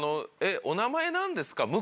「お名前何ですか？」